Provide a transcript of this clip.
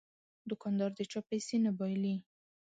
دوکاندار د چا پیسې نه بایلي.